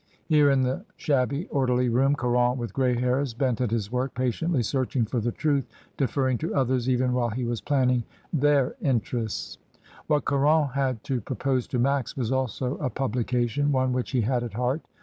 Here, in the shabby, orderly room, Caron, with grey hairs, bent at his work, patiently searching for the truth, deferring to others even while he was planning their interests. What Caron had to propose to Max was also a publication, one which he had a:t heart.